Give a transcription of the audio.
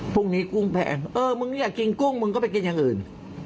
พรุ่งนี้กุ้งแพงเออมึงอยากกินกุ้งมึงก็ไปกินอย่างอื่น